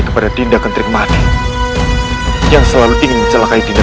orang orang caranya kepada dindo kan terima enggak selalu ingin mencelakai kita